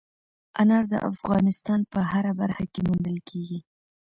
انار د افغانستان په هره برخه کې موندل کېږي.